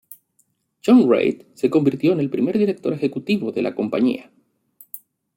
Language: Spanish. John Reith se convirtió en el primer director ejecutivo de la compañía.